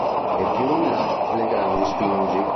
E più in là le grandi sfingi.